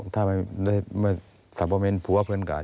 สำหรับเป็นผัวเพื่อนก่อน